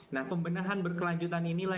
nah pembenahan berkelanjutan inilah